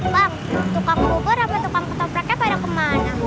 bang tukang kubur apa tukang topraknya pada kemana